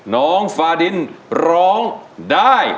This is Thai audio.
น้องฟาดินร้องได้